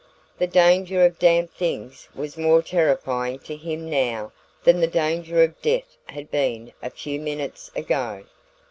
The danger of damp "things" was more terrifying to him now than the danger of death had been a few minutes ago.